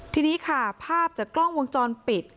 ทีนี้ค่ะภาพจากกล้องวงจรปิด